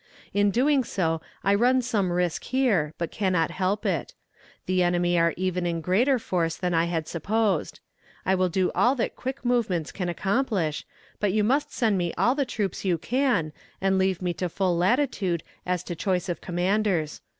In doing so I run some risk here, but cannot help it. The enemy are even in greater force than I had supposed. I will do all that quick movements can accomplish, but you must send me all the troops you can, and leave me to full latitude as to choice of commanders.